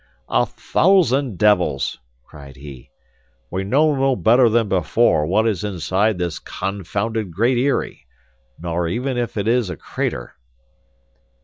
"A thousand devils!" cried he, "we know no better than before what is inside this confounded Great Eyrie, nor even if it is a crater."